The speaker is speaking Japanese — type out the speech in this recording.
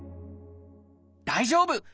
大丈夫！